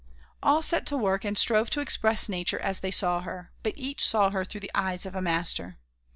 All set to work and strove to express nature as they saw her; but each saw her through the eyes of a master.